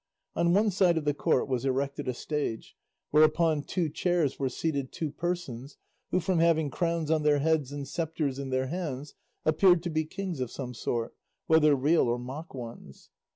On one side of the court was erected a stage, where upon two chairs were seated two persons who from having crowns on their heads and sceptres in their hands appeared to be kings of some sort, whether real or mock ones.